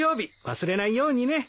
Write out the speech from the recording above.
忘れないようにね。